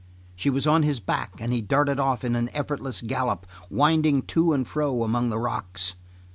She was on his back and he darted off in an effortless gallop, winding to and fro among the rocks.